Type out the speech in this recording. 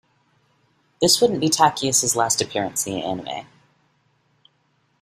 This wouldn't be Takius's last appearance in the anime.